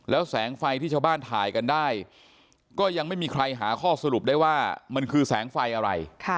แล้วแสงไฟที่ชาวบ้านถ่ายกันได้ก็ยังไม่มีใครหาข้อสรุปได้ว่ามันคือแสงไฟอะไร